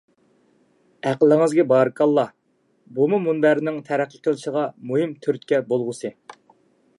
ئەقلىڭىزگە بارىكاللا! بۇمۇ مۇنبەرنىڭ تەرەققىي قىلىشىغا مۇھىم تۈرتكە بولغۇسى.